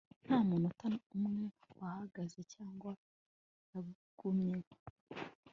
nta munota umwe wahagaze cyangwa yagumyeho